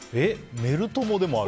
メル友でもある。